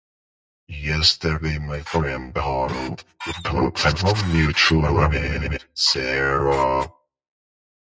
Yesterday, my friend borrowed a book from our mutual friend, Sarah.